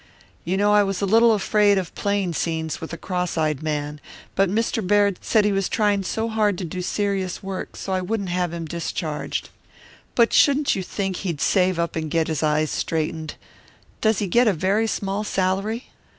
"You know I was a little afraid of playing scenes with the cross eyed man, but Mr. Baird said he was trying so hard to do serious work, so I wouldn't have him discharged. But shouldn't you think he'd save up and have his eyes straightened? Does he get a very small salary?"